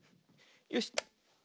よし。